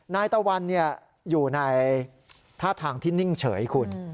นายตะวันอยู่ในท่าทางที่นิ่งเฉยคุณ